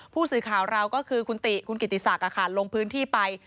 ผู้สื่อข่าวเราก็คือคุณติคุณกิติศักดิ์ลงพื้นที่ไป